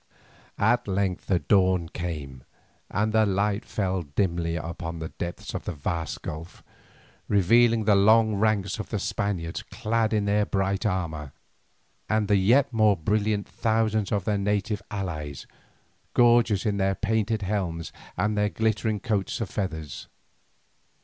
At length the dawn came, and the light fell dimly down the depths of the vast gulf, revealing the long ranks of the Spaniards clad in their bright armour, and the yet more brilliant thousands of their native allies, gorgeous in their painted helms and their glittering coats of feathers.